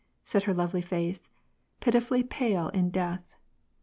" said her lovely face, pitifully pale in death.